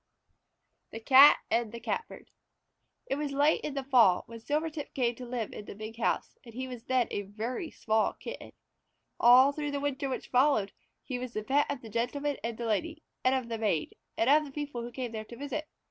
THE CAT AND THE CATBIRD It was late in the fall when Silvertip came to live in the big house, and he was then a very small kitten. All through the winter which followed, he was the pet of the Gentleman and the Lady, of the Maid, and of the people who came there to visit.